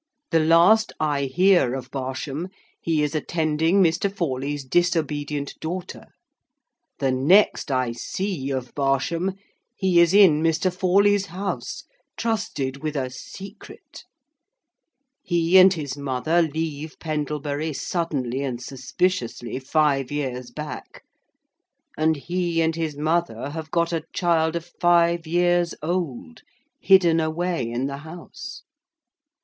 The last I hear of Barsham, he is attending Mr. Forley's disobedient daughter. The next I see of Barsham, he is in Mr. Forley's house, trusted with a secret. He and his mother leave Pendlebury suddenly and suspiciously five years back; and he and his mother have got a child of five years old, hidden away in the house.